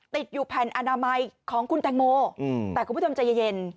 ติดอยู่แผ่นอนามัยของคุณแตงโมแต่คุณผู้ชมใจเย็น